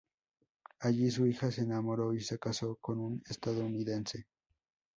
Allí su hija se enamoró y se casó con un estadounidense.